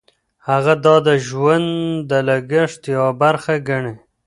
هغه دا د ژوند د لګښت یوه برخه ګڼي.